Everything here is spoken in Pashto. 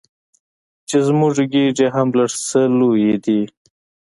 چې زموږ ګېډې هم لږ څه لویې دي.